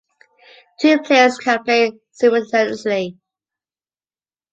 Two players can play simultaneously.